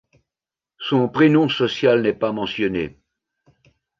Son prénom social n’est pas mentionné.